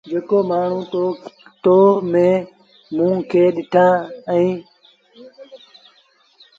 جيڪو مآڻهوٚٚ تو موٚنٚ کي ڏنآ اهينٚ